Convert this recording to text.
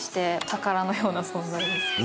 宝のような存在です。